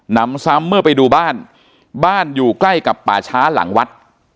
นำซ้ำเมื่อไปดูบ้านบ้านอยู่ใกล้กับป่าช้าหลังวัด